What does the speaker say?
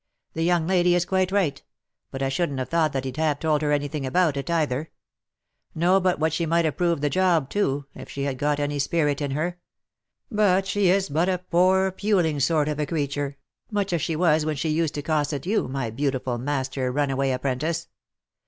The young lady is quite right : but I shouldn't have thought as he'd have told her any thing about it, either. Not but what she might approve the job, too, if she had got any spirit in her. But she is but a poor, puling sort of acretur, much as she was when she used to cosset you, my beautiful master runaway apprentice.